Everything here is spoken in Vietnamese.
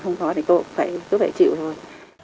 không có thì cô cũng phải cứ phải chịu thôi